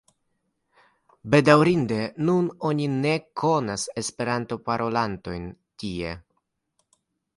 Bedaŭrinde nun oni ne konas Esperanto-parolantojn tie.